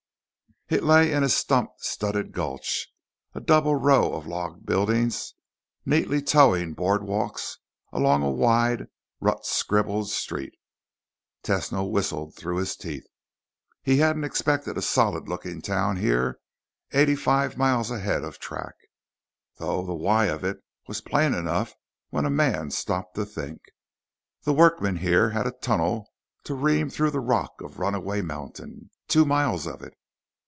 It lay in a stump studded gulch, a double row of log buildings neatly toeing boardwalks along a wide, rut scribbled street. Tesno whistled through his teeth. He hadn't expected a solid looking town here eighty five miles ahead of track though the why of it was plain enough when a man stopped to think. The workmen here had a tunnel to ream through the rock of Runaway Mountain, two miles of it.